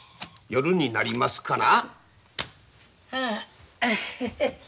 夜になりますかな。